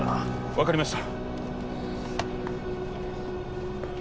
分かりました。